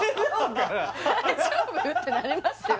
大丈夫？ってなりますよ